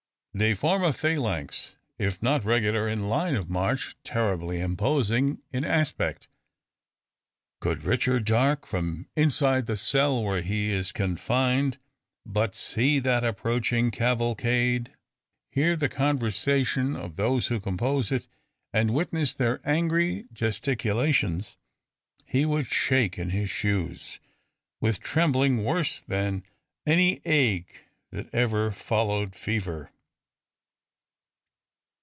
They form a phalanx, if not regular in line of march, terribly imposing in aspect. Could Richard Darke, from inside the cell where he is confined, but see that approaching cavalcade, hear the conversation of those who compose it, and witness their angry gesticulations, he would shake in his shoes, with trembling worse than any ague that ever followed fever.